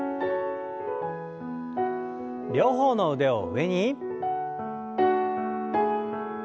両方の腕を上に。